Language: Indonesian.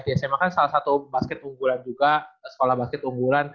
di sma kan salah satu basket unggulan juga sekolah basket unggulan